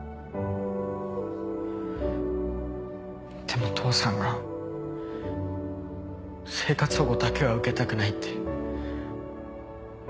でも父さんが生活保護だけは受けたくないって。